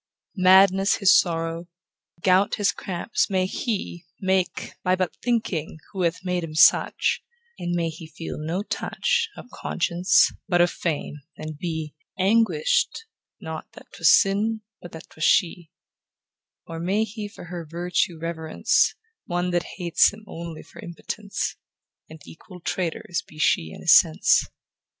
Madness his sorrow, gout his cramps, may he Make, by but thinking who hath made him such ; And may he feel no touch Of conscience, but of fame, and be Anguish'd, not that 'twas sin, but that 'twas she ; Or may he for her virtue reverence One that hates him only for impotence, And equal traitors be she and his sense.